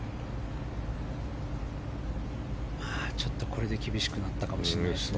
ちょっとこれで厳しくなったかもしれないですね。